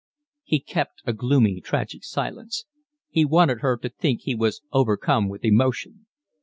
He kept a gloomy, tragic silence. He wanted her to think he was overcome with emotion.